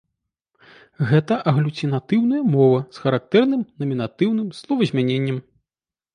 Гэта аглюцінатыўная мова з характэрным намінатыўным словазмяненнем.